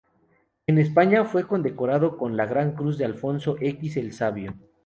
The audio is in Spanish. En España fue condecorado con "La Gran Cruz de Alfonso X, el sabio".